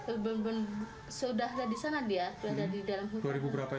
eh sudah sudah di sana dia